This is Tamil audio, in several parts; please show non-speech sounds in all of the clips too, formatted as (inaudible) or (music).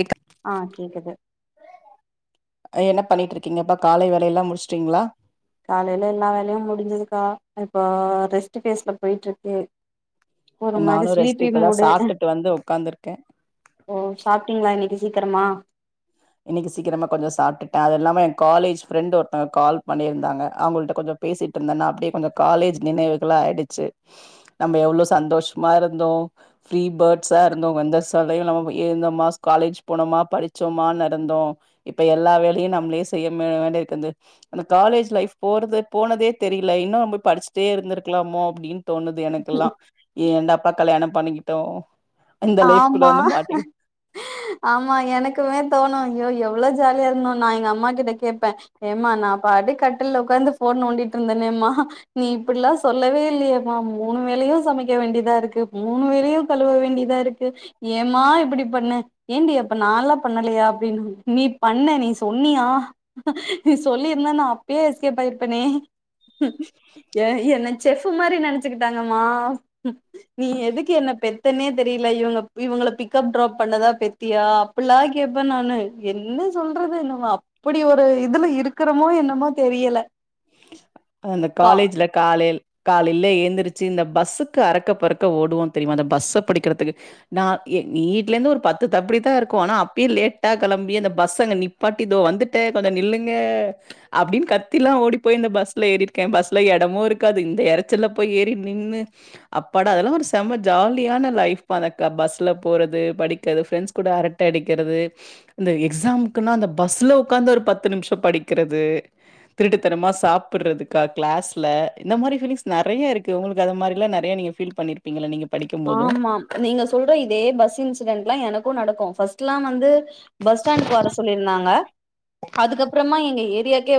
எக் ஆ கேக்குது அ என்ன பண்ணிட்டு இருக்கீங்கப்ப காலை வேலையெல்லா முடிச்சுட்டீங்களா காலையில எல்லா வேலையு முடிஞ்சுதுக்கா இப்ப ரெஸ்ட் பேஸ்ல போயிட்டு இருக்கு ஒரு மாரி நானு ரெஸ்ட்டு ஸ்லீப்பி இப்பதா மூடு சாப்ட்டுட்டு வந்து உக்காந்துருக்க ஓ சாப்ட்டீங்ளா இன்னக்கி சீக்கெரமா இன்னக்கி சீக்கிரமா கொஞ்சோ சாப்ட்டுட்ட அது இல்லாம ஏ காலேஜ் ஃப்ரெண்டு ஒருத்தங்க கால் பண்ணிருந்தாங்க அவுங்கள்ட்ட கொஞ்சொ பேசிட்ருந்தனா அப்டியே கொஞ்சொ காலேஜ் நினைவுகளா ஆய்டுச்சி நம்ப எவ்ளோ சந்தோஷமா இருந்தோ ஃப்ரீ பேட்ஸா இருந்தோ எந்த சடயு இல்லாம இந்தோமா காலேஜ் போனோமா படிச்சோமானு ந்தோ இப்ப எல்லா வேலையு நம்ளே செய்ய ம வேண்டி இர்க்குது அந்த காலேஜ் லைஃப் போறது போனதே தெரிய்ல இன்னு நம்ப படிச்சிட்டே இருந்துருக்லாமோ அப்டீன் தோணுது எனக்குல்லா ஏன்டாப்பா கல்யாணொ பண்ணிக்கிட்டோ இந்த லைஃப்குள்ள ஆமா வந்து மாட்டி ஆமா எனக்குமே தோணு ஐயோ எவ்ளோ ஜாலியா இருந்தோ நா எங்க அம்மா கிட்ட கேப்ப ஏம்மா நா பாட்டு கட்டுல்ல உக்காந்து ஃபோன் நோண்டிட்ருந்தனேம்மா நீ இப்புட்லா சொல்லவே இல்லையேமா மூணு வேலையு சமைக்க வேண்டியதா இருக்கு மூணு வேலையு கழுவ வேண்டிதா இரு க்கு ஏம்மா இப்டி பண்ண ஏன்டி அப்ப நால்லா பண்ணலையா அப்டின் நீ பண்ண நீ சொன்னியா நீ சொல்லிருந்தா நா அப்பயே எஸ்கேப் ஆய்ருப்பனே ஏ என்ன செஃப்ஃபு மாரி நெனச்சுக்கிட்டாங்கம்மா நீ எதுக்கு என்ன பெத்தனே தெர் ல இவுங்க இவுங்கள பிக்கப் ட்ராப் பண்ணதா பெத்தியா அப்புல்லா கேப்ப நானு என்ன சொல்றது நம்ம அப்டி ஒரு இதுல இருக்குறோமோ என்னமோ தெரியல அந்த கா காலேஜ்ல காலைல் காலைல ஏந்துருச்சி இந்த பஸ்ஸுக்கு அறக்க பறக்க ஓடுவோ தெரிய்மா அந்த பஸ்ஸ புடிக்கிறதுக்கு நா எ வீட்லேந்து ஒரு பத்து தப்டிதா இருக்கு ஆனா அப்பயே லேட்டா களம்பி அந்த பஸ் அங்க நிப் பாட்டி இதோ வந்துட்டே கொஞ்சொ நில்லுங்க அப்டின் கத்திலா ஓடி போய் இந்த பஸ்ல ஏறிர்க்கே பஸ்ல எடமு இருக்காது இந்த எறச்சல்ல போய் ஏறி நின்னு அப்பாட அதெல்லா ஒரு செம்ம ஜாலியான லைஃப்மா அந்த க பஸ்ல போறது படிக்கெற ஃப்ரெண்ஸ் கூட அரட்ட அடிக்கிறது இந்த எக்ஸாம்க்குன்னா அந்த பஸ்ல உக்காந்து ஒரு பத்து நிம்ஷோ படிக்கிறது தனமா சாப்புர்றது க க்ளாஸ்ல இந்த மாரி ஃபீலிங்ஸ் நறைய இருக்கு உங்களுக்கு அந்த மாரில்லா நறையா நீங்க ஃபீல் பண்ணீர் பீங்கல நீங்க படிக் ஆமாம் நீங்க சொல்ற இதே பஸ் இன்சிடென்ட்லா எனக்கு நடக்கு ஃபஸ்ட்லா வந்து பஸ் ஸ்டாண்டுக்கு வர சொல்லியிருந்தாங்க அதுக்கப்றமா எங்க ஏரியாக்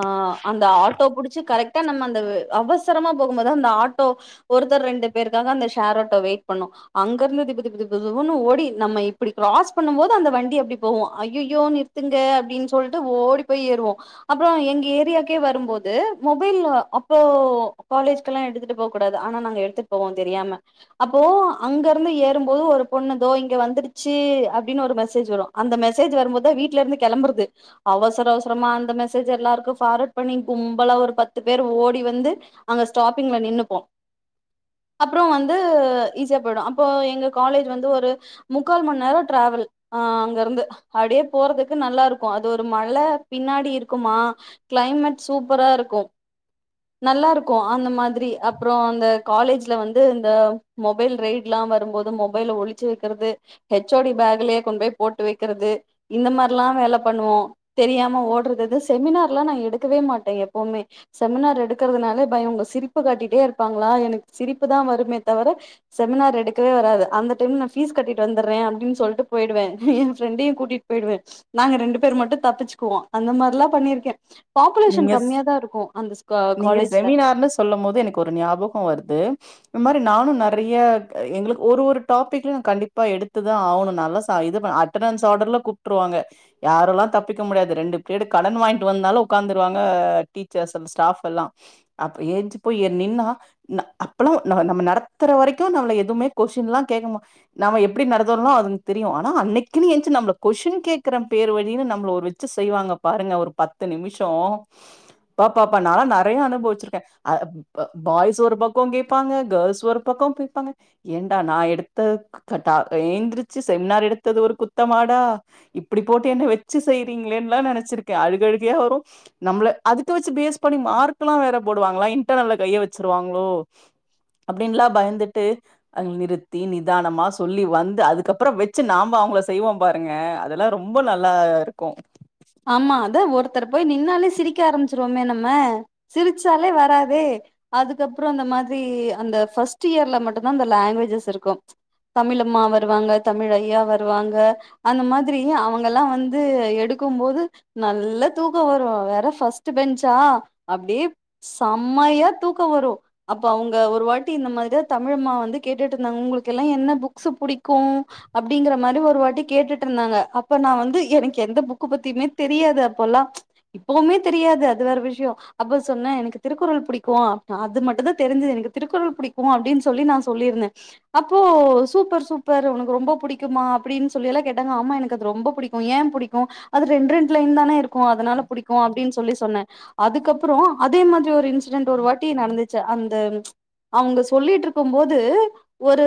ஆ அந்த ஆட்டோ புடிச்சு கரெக் டு நம்ம வ் அவசரமா போகும்போதா அந்த ஆட்டோ ஒருத்தர் ரெண்டு பேருக்காக அந்த ஷேர் ஆட்டோ வெயிட் பண்ணு அங்கர்ந்து திபு திபு திபு திபுன்னு ஓடி நம்ம இப்டி க்ராஸ் பண்ணும் போது அந்த வண்டி அப்டி போவு ஐயையோ நிற் த்துங்க அப்டின் சொல்ட்டு ஓடி போய் ஏறுவோ அப்றோ எங்க ஏரியாக்கே வரும்போது மொபைல் அப்போ காலேஜ் க்லா எடுத்துட்டு போக் கூடாது ஆனா நாங்க எடுத்துட் போவோ தெரியாம அப்போ அங்கர்ந்து ஏறும்போது ஒரு பொண்ணு தோ இங்க வந்துருச்சி அப்டீனு ஒரு மெசேஜ் வரு அந்த மெசேஜ் வரும்போதா வீட்லேர்ந்து கெளம்புறது அவசர அவசரமா அந்த மெசேஜ் எல்லாருக்கு ஃபார்வட் பண்ணி கும்பலா ஒரு பத்து பேர் ஓடி வந்து அங்க ஸ்டாப்பிங்ல நின்னுப்போ அப்றோ வந் து ஈஸியா போய்டு அப்போ எங்க காலேஜ் வந்து ஒரு முக்கால் மண் நேரொ ட்ராவல் ஆ அங்கர்ந்து அவ்டியே போறதுக்கு நல்லா இருக்கு அது ஒரு மல பின்னாடி இருக்குமா கிளைமேட் சூப்பரா இருக்கு நல்லா இருக்கு அந்த மாதிரி அப்புறோ அந்த காலேஜ்ல வந்து இந்த மொபைல் ரைட்லா வரும்போது மொபைல ஒளிச்சு வைக்கிறது ஹெச் ஓ டி பேக்லயே கொண்டு போய் போட்டு வைக்கிறது இந்த மாதிரி எல்லா வேலை பண்ணுவோ தெரியாம ஓடுறது எது செமினார்லா நா எடுக்கவே மாட்டே எப்பவுமே செமினார் எடுக்கிறதுனாலே பயோ அவுங்க சிரிப்பு காட்டிட்டே இருப்பாங்களா எனக்கு சிரிப்பு தா வருமே தவிர செமினார் எடுக்கவே வராது அந்த டைம்ல நா ஃபீஸ் கட்டிட்டு வந்துடுறே அப்டின்னு சொல்லிட்டு போயிடுவே என் ஃப்ரெண்டையு கூட்டிட் பெய்டு வச் நாங்க ரெண்டு பேரு மட்டு தப்பிச்சுக்குவோ அந்த மாதரி எல்லா பண்ணிருக்கே பாப்புலேஷன் நீங்க ஸ் கம்மியாக தா இருக்கு அந்த ஸ்கா காலேஜ்ல சொல்லம் போது எனக்கு ஒரு ஞாபகோ வருது இ மாதிரி நானு நெறையா எங்களுக்கு ஒரு ஒரு டாபிக்லயு கண்டிப்பா எடுத்துதா ஆகணு நால்லா சா இதுப அட் அட்டன்டன்ஸ் ஆடர்ல கூப்ட்ருவாங்க யாரெல்லா தப்பிக்க முடியாது ரெண்டு பீரிடு கடன் வாங்கிட்டு வந்தாலு ஒக்காந்துருவாங்க டீச்சர்ஸ் அண்ட் ஸ்டாஃப் எல்லா அப்புறோ எய்ஞ்சி போய் ஏ நின்னா நா அப்பல்லா நம்ம நம்ம நடத்துற வரைக்கு நம்மள எதுவுமே கொஷ்டின்ல்லா கேக்கமா நம்ம எப்படி நடத்துனமோ அதுங்கள்க்கு தெரியு ஆனா அன்னைக்கினு எந்திச்சு நம்மள கொஷ்டின் கேக்குற பேர் வழினு நம்மள ஒரு வச்சி செய்வாங்க பாருங்க ஒரு பத்து நிமிஷோ அப்பாப்பப்பா நாலா நறையா அனுபவிச்சிருக்கே அது ஆ பாய்ஸ் ஒரு பக்கோ கேப்பாங்க கேர்ள்ஸ் ஒரு பக்கோ பொய்பாங்க ஏன்டா நா எடுத்த தட்டா எழுந்திரிச்சு செமினார் எடுத்தது ஒரு குத்தமாடா இப்டி போட்டு என்ன வச்சு செய்யறீங்களேன்னுல்லா நெனைச்சிருக்கே அழுகழுகையா வரு நம்மள அதுக்கு வச்சு பேஸ் பண்ணி மார்க் எல்லா வேற போடுவாங்களா இன்டர்னல்லுல கைய வச்சிருவாங்களோ அப்டின்லா பயந்துட்டு அது நிறுத்தி நிதானமா சொல்லி வந்து அதுக்கப்புறோ வச்சு நாம அவுங்கள செய்வோ பாருங்க அதெல்லா ரொம்ப நல்லா இருக்கு ஆமா அதா ஒருத்தர் போய் நின்னாலே சிரிக்க ஆரம்பிச்சிருவோமே நம்ம சிரிச்சாலே வராதே அதுக்கப்புறோ அந்த மாதிரி அந்த ஃபர்ஸ்ட்டு இயர்ல மட்டுந்தா அந்த லாங்குவேஜஸ் இருக்கு தமிழம்மா வருவாங்க தமிழ் ஐயா வருவாங்க அந்த மாதிரி அவுங்கல்லா வந்து எடு இருக்கும்போது நல்லா தூக்கோ வரு அவ வேற ஃபர்ஸ்ட்டு பெஞ்ச்சா அப்டியே செம்மையா தூக்கோ வரு அப்ப அவுங்க ஒரு வாட்டி இந்த மாரிதா தமிழம்மா வந்து கேட்டுட்டு இருந்தாங்க ஒங்களுக்கு எல்லா என்ன புக்ஸு புடிக்கு அப்டிங்கற மாதிரி ஒரு வாட்டி கேட்டுட்டு இருந்தாங்க அப்ப நா வந்து எனக்கு எந்த புக் கு பத்தியுமே தெரியாது அப்போல்லா இப்பவுமே தெரியாது அது வேற விஷய அப்ப சொன்னே எனக்கு திருக்குறள் புடிக்கு அது மட்டுந்தா தெரிஞ்சது எனக்கு திருக்குறள் புடிக்கு அப்டின்னு சொல்லி நா சொல்லிருந்தே அப்போ சூப்பர் சூப்பர் உனக்கு ரொம்ப புடிக்குமா அப்டின்னு சொல்லி எல்லா கேட்டாங்க ஆமா எனக்கு அது ரொம்ப புடிக் ஏம் புடிக்கு அது ரெண்டு ரெண்டு லைன் தான இருக்கு அதனால புடிக்கு அப்டின்னு சொல்லி சொன்ன அதுக்கப்றோ அதே மாரி ஒரு இன்சிடென்ட் ஒரு வாட்டி நடந்துச்சு அந்த அவுங்க சொல்லிட்டு இருக்கும்போது ஒரு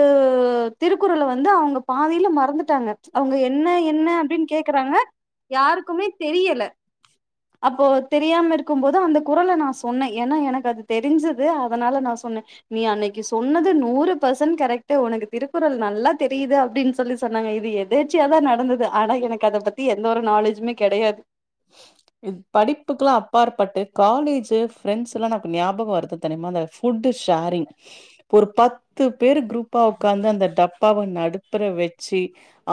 திருக்குறள வந்து அவுங்க பாதியில மறந்துட்டாங்க அவுங்க என்ன என்ன அப்டின்ட்டு கேக்குறாங்க யாருக்குமே தெரியல அப்போ அது தெரியாம இருக்கு போது அந்த குறள நா சொன்னே ஏனா எனக்கு அது தெரிஞ்சது அதனால நா சொன்னே நீ அன்னைக்கி சொன்னது நூறு பெர்சன்ட் கரெக்ட்டு ஒனக்கு திருக்குறள் நல்லா தெரியுது அப்டின் சொல்லி சொன்னாங்க இது எதர்ச்சியாதா நடந்துது ஆனா எனக்கு அத பத்தி எந்த ஒரு நாலேஜுமே கெடையாது (inaudible) இது படிப்புக்கெல்லா அப்பாற்பட்டு காலேஜு ஃப்ரெண்ட்ஸ் எல்லா நமக்கு ஞாபகோ வருது தெனைமு அந்த ஃபுட்டு ஷேரிங் ஒரு பத்து பேரு குரூப்பா ஒக்காந்து அந்த டப்பாவ நடுத்தர வச்சி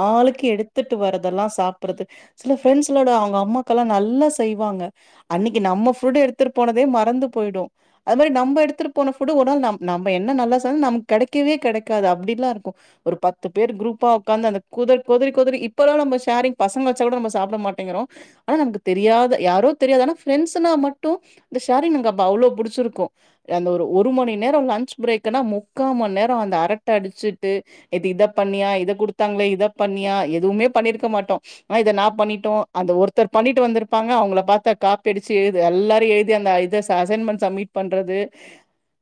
ஆளுக்கு எடுத்துட்டு வர்றதெல்லா சாப்ட்பிடுறது சில ஃரெண்ட்ஸ்ங்களோட அவுங்க அம்மா க்கல்லா நல்லா செய்வாங்க அன்னைக்கி நம்ம ஃபுட் எடுத்துட்டு போனதே மறந்து போய்டு அது மாரி நம்ப எடுத்துட்டு போன ஃபுட்டு ஒரு நாள் ந நம்ம என்ன நல்லா ச நமக்கு கெடைக்கவே கெடைக்காது அப்டிலா இருக்கு ஒரு பத்து பேர் குரூப்பா உக்காந்து அந்த குத கொதறி கொதறி இப்பல்லா நம்ம ஷேரிங் பசங்க வெச்ச கூட நம்ப சாப்ட மாட் டேங்கறோ ஆனா நமக்கு தெரியாத யாரோ தெரியாது ஆனா ஃபிரெண்ட்ஸுனா மட்டு இந்த ஷேரிங் எனக் அப்ப அவ்ளோ புடிச்சுருக்கு அந்த ஒரு ஒரு மணி நேரோ லன்ச் பிரேக்குன்னா முக்கா மண்நேரோ அந்த அரட்ட அடிச்சுட்டு இது இத பண்ணியா இத குடுத்தாங்களே இத பண்ணியா எதுமே பண்ணிருக்க மாட்டோ ஆ இத நா பண்ணிட்டோ அந்த ஒரு த்தர் பண்ணிட்டு வந்துருப்பாங்க அவங்கள பாத்தா காப்பி அடிச்சு எழுது எல்லாரு எழுதி அந்த இத அசைன்மெண்ட் சம்மிட் பண்றது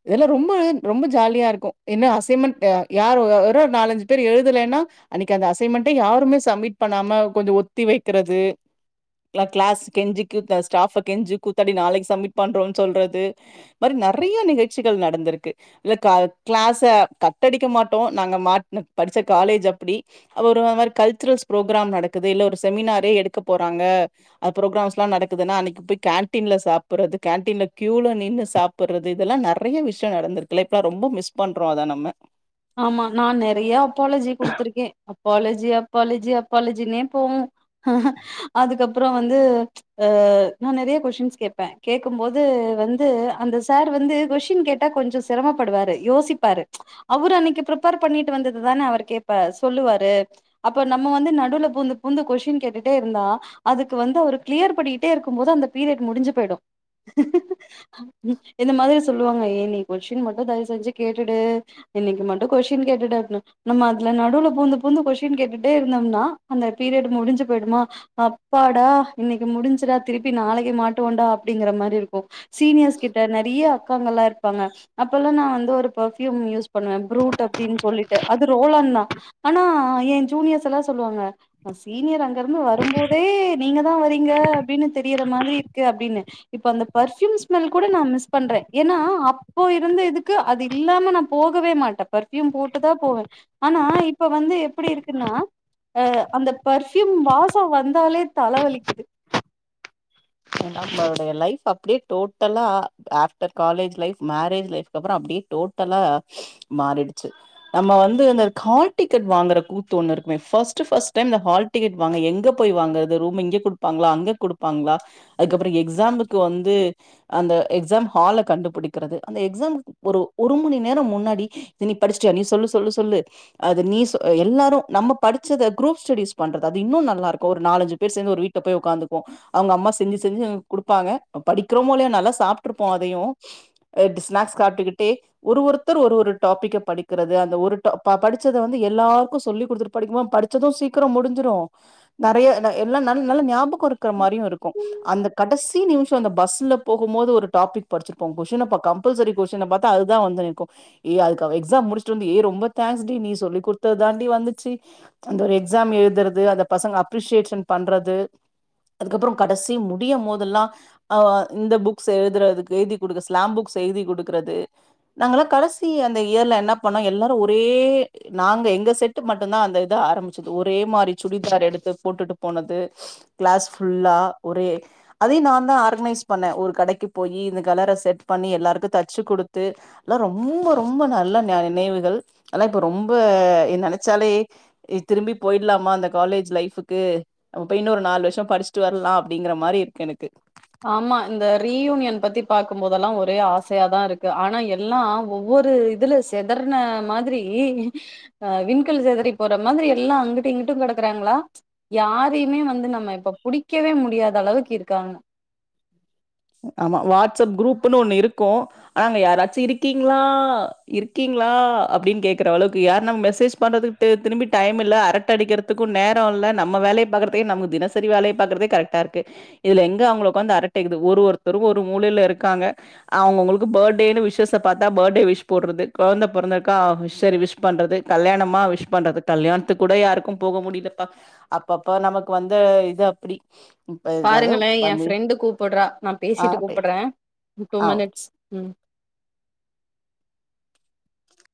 இதெல்லா ரொம்ப ரொம்ப ஜாலியா இருக்கு என்ன அசைமெண்ட் ஆ யாரு ஒரு ஒரு நாலஞ்சு பேர் எழுதலேன்னா அன்னிக்கு அந்த அசைன்மெண்டே யாருமே சம்மிட் பண்ணாம கொஞ்சோ ஒத்தி வெக்கறது எல்லா கிளாஸ் கெஞ்சி கூத் ஸ்டாஃப கெஞ்சி கூத்தாடி நாளைக்கு சம்மிட் பண்றோன் சொல்றது இந்த மாரி நெறயா நிகழ்ச்சிகள் நடந்துருக்கு இல்ல க கிளாஸ கட்டடிக்க மாட்டோ நாங்க மாட் படிச்ச காலேஜ் அப்டி ஒரு மாரி கல்ச்சுரல்ஸ் ப்ரோக்ராம் நடக்குது இல்ல ஒரு செமினாரே எடுக்க போறாங்க அ ப்ரோக்ராம்ஸ்ல்லா நடக்குதுன்னா அன்னைக்கு போய் கேன்டீன்ல சாப்பர்றது கேன்டீன்ல கியூல நின்னு சாப் பறது இதெல்லா நெறைய விஷ்யோ நடந்துருக்குல இப்ப ரொம்ப மிஸ் பண்றோ அத நம்ம (inaudible) ஆமா நா நெறையா அப்பாலஜி குடுத்துருக்கே அப்பாலஜி அப்பாலஜி அப்பாலஜினே போகு அ ஹ அதுக்கப்றோ வந்து ஆ நா நெறையா கொஷின்ஸ் கேப்ப கேக்கும் போது வந்து அந்த சார் வந்து கொஷின் கேட்டா கொஞ்ச சிரமப்படுவாரு யோசிப்பாரு அவரு அன்னிக்கு பிரிப்பேர் பண்ணிட்டு வந்தது தான அவரு கேப்பா சொல்லுவாரு அப்ப நம்ம வந்து நடுல பூந்து பூந்து கொஷின் கேட்டுட்டே இருந்தா அதுக்கு வந்து அவரு கிளியர் பண்ணிட்டே இருக்கும் போது அந்த பீரியட் முடிஞ்சு போய்டு இந்த மாதிரி சொல்லுவாங்க ஏ நீ கொஸ்டின் மட்டு தயவு செஞ்சு கேட்டுடு இன்னைக்கு மட்டு கொஷ்டின் கேட்டுடு அப்னு நம்ம அதுல நடுவுல பூந்து பூந்து கொஷின் கேட்டுட்டே இருந்தம்னா அந்த பீரியட் முடிஞ்சு போய்டுமா அப்பாடா இன்னிக்கு முடுஞ்ச்சுடா திருப்பி நாளைக்கு மாட்டுவோண்டா அப்டிங்கற மாரி இருக்கு சீனியர்ஸ் கிட்ட நெறிய அக்காங்கல்லா இருப்பாங்க அப்பல்லா நா வந்து ஒரு பெர்ஃப்யூம் யூஸ் பண்ணுவ ப்ரூட் அப்டின்னு சொல்லிட்டு அது ரோலான் தா ஆனா என் ஜூனியர்ஸ் எல்லா சொல்லுவாங்க சீனியர் அங்க இருந்து வரும்போதே நீங்க தா வரீங்க அப்டின்னு தெரியற மாதிரி இருக்கு அப்டின்னு இப்ப அந்த பர்ஃயூம் ஸ்மெல் கூட நா மிஸ் பண்ற ஏனா அப்போ இருந்த இதுக்கு அது இல்லாம நா போகவே மாட்டே பர்ஃபயூம் போட்டுதா போவே ஆனா இப்ப வந்து எப்டி இருக்குன்னா அ அந்த பர்ஃயூம் வாசோ வந்தாலே தலவலிக்குது ஏனா நம்மளுடைய லைஃப் அப்டியே டோட்டலா after college life marriage life அப்றோ அப்டியே டோட் டலா மாறிடுச்சு நம்ம வந்து அந்த ஹால் டிக்கட் வாங்கற கூத்து ஒன்னு இருக்குமே ஃபஸ்டு ஃபஸ்ட் டைம் அந்த ஹால் டிக்கெட் வாங்க எங்க போய் வாங்கறது ரூம் இங்க குடுப்பாங்ளா அங்க குடுப்பாங்ளா அதுக்கப்பற எக்ஸாமுக்கு வந்து அந்த எக்ஸாம் ஹால கண்டுபிடிக்கிறது அந்த எக்ஸாம் ஒரு ஒரு மணி நேர முன்னாடி இத நீ படிச்சுட்டியா நீ சொல்லு சொல்லு சொல்லு அது நீ ச எல்லாரு நம்ம படிச்சத குரூப் ஸ்டடிஸ் பண்றது அது இன்னு நல்லாருக்கு ஒரு நாலஞ்சு பேர் சேந்து ஒரு வீட் ல போய் உக்காந்துக்வோ அவங்க அம்மா செஞ்சு செஞ்சு குடுப்பாங்க படிக்கிறோமோ இல்லையா நல்லா சாப்ட்ருப்போ அதையு அ டு ஸ்னாக்ஸ் சாப்ட்டுக்கிட்டே ஒரு ஒருத்தர் ஒரு ஒரு டாபிக்க படிக்கிறது அந்த ஒரு டாப் படிச்சதை வந்து எல்லாருக்கு சொல்லி குடுத்துட்டு படிக்குபோ படிச்சது சீக்கிரோ முடிஞ்சிரு நெறைய நெ எல்லா நல்ல நல்ல ஞாபகோ இருக்குற மாரியு இருக்கு அந்த கடசி நிமிஷோ அந்த பஸ்ல போகுபோது ஒரு டாபிக் படிச்சிருப்போ கொஷின பாக்கமா கம்பல்சரி கொஸ்டின் பாத்தா அதுதா வந்து நிக்கு ஏ அதுக்கு அவ எக்ஸாம் முடிச்சுட்டு வந்து ஏ ரொம்ப தேங்க்ஸ் டி நீ சொல்லி குடுத்து தாண்டி வந்துச்சு அந்த ஒரு எக்ஸாம் எழுதுறது அந்த பசங்க அப்ரிசியேஷன் பண்றது அதுக்கப்றோ கடசி முடிய மோதுல்லா ஆ இந்த புக்ஸ் எழுதுறதுக்கு எழுதி குடுக்க ஸ்லாம் புக்ஸ் எழுதி குடுக்குறது நாங்களா கடசி அந்த இயர்ல என்ன பண்ணோ எல்லாரு ஒரே நாங்க எங்க செட்டு மட்டு தா அந்த இதா ஆரம்பிச்சது ஒரே மாரி சுடிதார் எடுத்து போட்டுட்டு போனது கிளாஸ் ஃபுல்லா ஒரே அதையு நா தா ஆர்கனைஸ் பண்ணே ஒரு கடைக்கு போயி இந்த கலர செட் பண்ணி எல்லாருக்கு தச்சு குடுத்து அதல்லா ரொம்ப ரொம்ப நல்ல நினைவுகள் அதல்லா இப்ப ரொம்ப நெனைச்சாலே திரும்பி போயிடலாமா அந்த காலேஜ் லைஃபக்கு நம்ம பேய் இன்னு ஒரு நாலு வருஷோ படிச்சுட்டு வர்லா அப்டிங்கிற மாரி இருக்கு எனக்கு ஆமா இந்த ரீயூனியன் பத்தி பாக்குபோதெல்லா ஒரே ஆசையாதா இருக்கு ஆனா எல்லா ஒவ்வொரு இதுல செதற்ன மாதிரி அ விண்கல் செதறி போற மாதிரி எல்லா அங்கிட்ட இங்கிட்டு கெடக்குறாங்ளா யாரையுமே வந் து நம்ம இப்ப புடிக்கவே முடியாத அளவுக்கு இருக்காங்க ஆமா வாட்ஸ்அப் குரூப்ன்னு ஒண்ணு இருக்கு அங்க யாராச்சு இருக்கீங்ளா இருக்கீங்ளா அப்டின்னு கேக்குற அளவுக்கு யார்ரு நம்ம மெசேஜ் பண்றதுக்கு ட்டு திருப்பி டைம் இல்ல அரட்ட அடிக்கிறதுக்கு நேரோ இல்ல நம்ம வேலய பாக்குறத்துக்கே நமக்கு தினசரி வேலைய பாக்கறதே கரெக்ட்டா இருக்கு இதுல எங்க அவுங்கள வந்து அரட்டைக்குது ஒரு ஒருத்தருக்கு ஒரு மூலையில இருக்காங்க அவுங்கவுங்களுக்கு பர்த்டேன்னு விஷேஷ்ச பாத்தா பர்த்டே விஷ் போடுறது கொழந்த பிறந்துருக்கா சரி விஷ் விஷ் பண்றது கல்யாணமா விஷ் பண்றது கல்யாணத்துக்கு கூட யாருக்கு போக முடிலப்பா அப்பெப்ப நமக்கு வந்து இது அப்டி இப்ப ஏதாவது பாருங்களே ஏ பண்ணி ஃப்ரெண்டு கூப்பிறா நா ஆ பேசிட்டு பே- கூப்பிறா டூ ஆ மினிட்ஸ் ம்